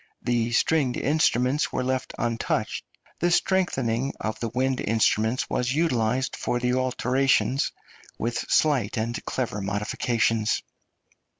The stringed instruments were left untouched; the strengthening of the wind instruments was utilised for the alternations, with slight and clever modifications.